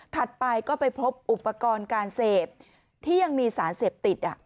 ไปก็ไปพบอุปกรณ์การเสพที่ยังมีสารเสพติด